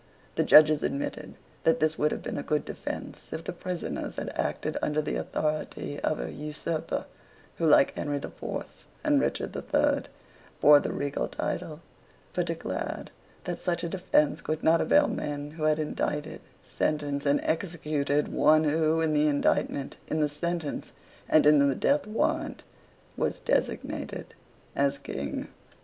The Judges admitted that this would have been a good defence if the prisoners had acted under the authority of an usurper who, like Henry the Fourth and Richard the Third, bore the regal title, but declared that such a defence could not avail men who had indicted, sentenced, and executed one who, in the indictment, in the sentence, and in the death warrant, was designated as King.